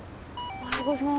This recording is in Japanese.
おはようございます。